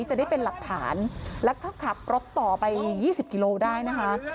จะได้เป็นหลักฐานแล้วก็ขับรถต่อไป๒๐กิโลได้นะคะ